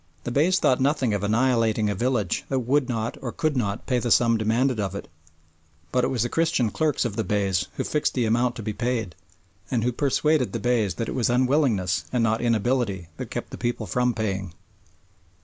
The Beys thought nothing of annihilating a village that would not or could not pay the sum demanded of it, but it was the Christian clerks of the Beys who fixed the amount to be paid and who persuaded the Beys that it was unwillingness and not inability that kept the people from paying.